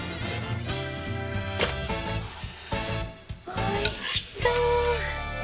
おいしそう！